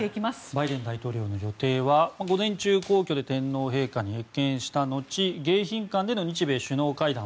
バイデン大統領の予定は午前中、皇居で天皇陛下に謁見した後迎賓館での日米首脳会談